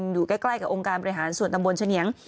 อยู่ใกล้กับองค์การบริหารส่วนตำบลเฉียง